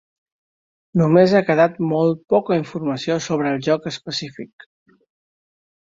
Només ha quedat molt poca informació sobre el joc específic.